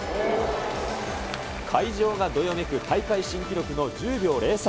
会場がどよめく大会新記録の１０秒０３。